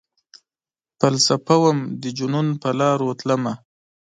فلسفه وم ،دجنون پرلاروتلمه